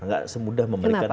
nggak semudah memberikan telap